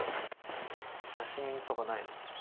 写真とかないの？